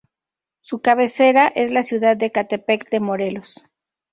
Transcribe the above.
Su cabecera es la ciudad de Ecatepec de Morelos.